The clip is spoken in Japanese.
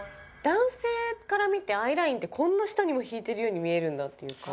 男性から見てアイラインってこんな下にも引いてるように見えるんだっていうか。